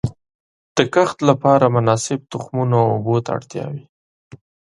د کښت لپاره مناسب تخمونو او اوبو ته اړتیا وي.